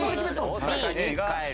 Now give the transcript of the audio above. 大阪に帰る」。